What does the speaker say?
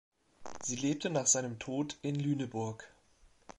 Sie lebte nach seinem Tod in Lüneburg.